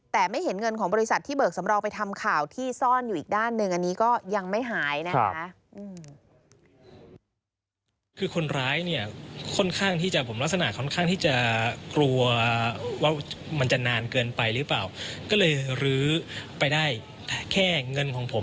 แต่ไม่เห็นเงินของบริษัทที่เบิกสำรองไปทำข่าวที่ซ่อนอยู่อีกด้านหนึ่ง